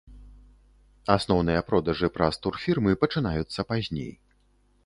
Асноўныя продажы праз турфірмы пачынаюцца пазней.